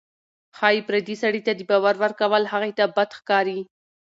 ښایي پردي سړي ته د بار ورکول هغې ته بد ښکاري.